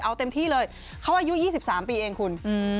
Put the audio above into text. เอาเต็มที่เลยเขาอายุ๒๓ปีเองคุณ